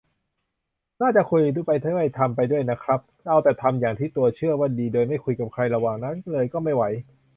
น่าจะคุยไปด้วยทำไปด้วยน่ะครับ เอาแต่ทำอย่างที่ตัวเชื่อว่าดีโดยไม่คุยกับใครระหว่างนั้นเลย ก็ไม่ไหว